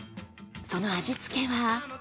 その味付けは。